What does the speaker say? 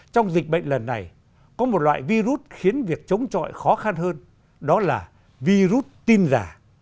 trong dịch bệnh lần này có một loại virus khiến việc chống trọi khó khăn hơn đó là virus tin giả